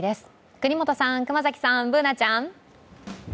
國本さん、熊崎さん、Ｂｏｏｎａちゃん。